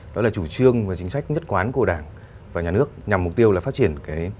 đó là chủ trương và chính sách nhất quán của đảng và nhà nước nhằm mục tiêu là phát triển